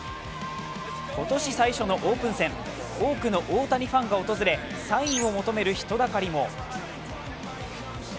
今年最初のオープン戦、多くの大谷ファンが訪れサインを求める人だかりも。